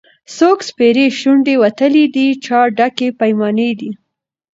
څوک سپېرې شونډي وتلي د چا ډکي پیمانې دي